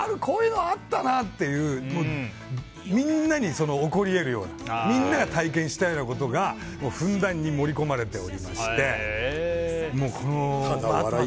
こういうのあったなっていうみんなに起こり得るようなみんなが体験したようなことがふんだんに盛り込まれておりまして。